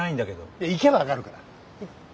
いや行けば分かるから。ね？